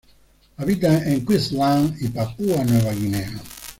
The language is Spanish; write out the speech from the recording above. Habita en Queensland y Papúa Nueva Guinea.